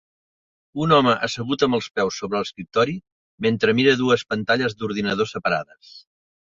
Un home assegut amb els peus sobre l'escriptori mentre mira dues pantalles d'ordinador separades.